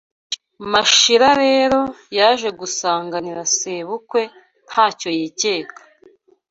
Mashira rero yaje gusanganira Sebukwe ntacyo yikeka